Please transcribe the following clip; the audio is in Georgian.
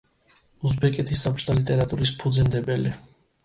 უზბეკეთის საბჭოთა ლიტერატურის ფუძემდებელი.